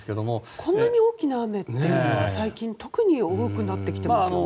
こんなに大きな雨というのは、最近特に大きくなってきていますよね。